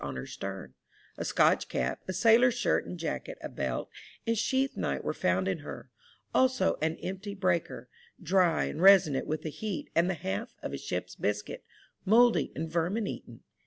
on her stem ; a Scotch cap, a sailor's shirt and jacket, a belt, and sheath knife were found in her, also an empty breaker, dry and resonant with the heat, and the half of a ship's biscuit, mouldy and vermin eaten.